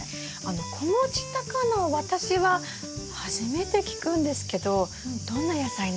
子持ちタカナは私は初めて聞くんですけどどんな野菜なんですか？